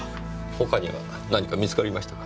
他には何か見つかりましたか？